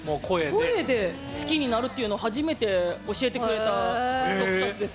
声で好きになるっていうのを初めて教えてくれた特撮です。